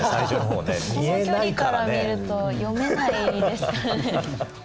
この距離から見ると読めないですからね。